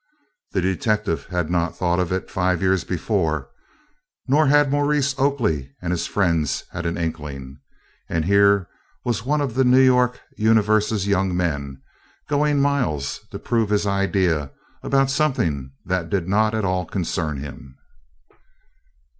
The detective had not thought of it five years before, nor had Maurice Oakley and his friends had an inkling, and here was one of the New York Universe's young men going miles to prove his idea about something that did not at all concern him.